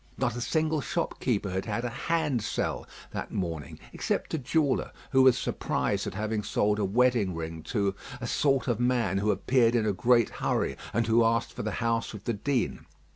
Not a single shopkeeper had had a "handsell" that morning, except a jeweller, who was surprised at having sold a wedding ring to "a sort of man who appeared in a great hurry, and who asked for the house of the Dean."